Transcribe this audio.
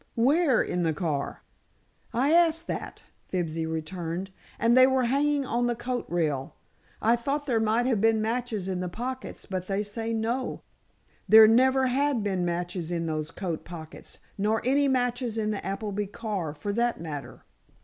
"Where, in the car?" "I asked that," Fibsy returned, "and they were hanging on the coat rail. I thought there might have been matches in the pockets, but they say no. There never had been matches in those coat pockets, nor any matches in the Appleby car, for that matter."